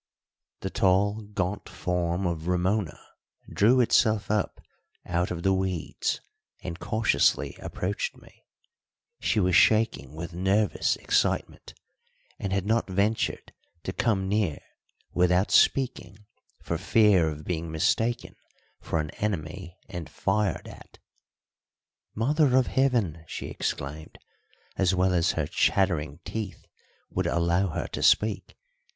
The tall, gaunt form of Ramona drew itself up out of the weeds and cautiously approached me. She was shaking with nervous excitement, and had not ventured to come near without speaking for fear of being mistaken for an enemy and fired at. "Mother of Heaven!" she exclaimed, as well as her chattering teeth would allow her to speak.